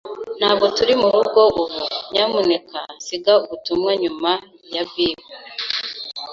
Ntabwo turi murugo ubu. Nyamuneka siga ubutumwa nyuma ya beep.